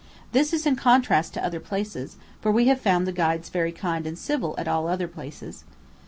This is in contrast to other places; for we have found the guides very kind and civil at all other places.